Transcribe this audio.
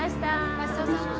ごちそうさま。